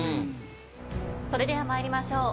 それでは参りましょう。